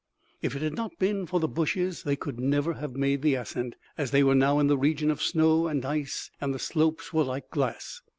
If it had not been for the bushes they could never have made the ascent, as they were now in the region of snow and ice and the slopes were like glass.